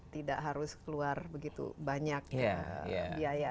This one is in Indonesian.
tidak harus keluar begitu banyak biaya